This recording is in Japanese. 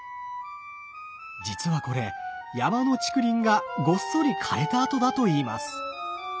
実はこれ山の竹林がごっそり枯れた跡だといいます。